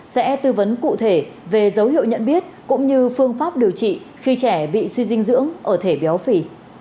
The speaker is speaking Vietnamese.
sẽ tư vấn cụ thể về dấu hiệu nhận biết cũng như phương pháp điều trị khi trẻ bị suy dinh dưỡng ở thể béo phì